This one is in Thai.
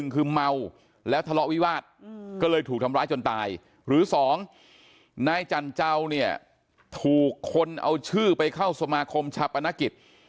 คือเมาแล้วทะเลาะวิวาสก็เลยถูกทำร้ายจนตายหรือ๒นายจันเจ้าเนี่ยถูกคนเอาชื่อไปเข้าสมาคมชาปนกิจ